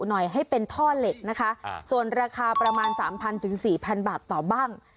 หน่อยให้เป็นท่อเหล็กนะคะส่วนราคาประมาณสามพันถึงสี่พันบาทต่อบ้าง